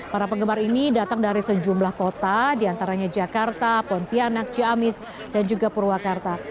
para penggemar ini datang dari sejumlah kota diantaranya jakarta pontianak ciamis dan juga purwakarta